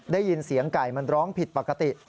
ได้ยินเสียงไก่มันร้องผิดปกติ